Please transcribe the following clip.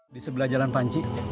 di sebelah jalan panci